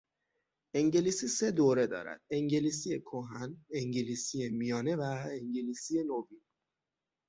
انگلیسی سهدوره دارد: انگلیسی کهن، انگلیسی میانه و انگلیسی نوین